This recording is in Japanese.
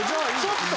ちょっと！